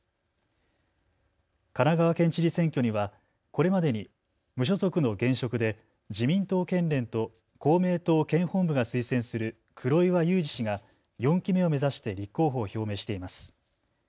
神奈川県知事選挙にはこれまでに無所属の現職で自民党県連と公明党県本部が推薦する黒岩祐治氏が４期目を目指して立候補を表明しています。